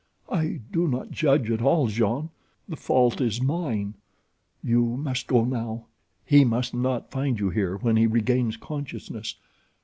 "I do not judge at all, Jean. The fault is mine. You must go now—he must not find you here when he regains consciousness.